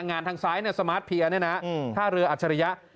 งานทางซ้ายสมาร์ทเพียร์เนี่ยนะท่าเรืออัจฉริยะ